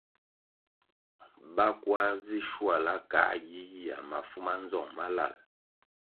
Ba kwar zi shuala kā yiyihya mafu manzong malal.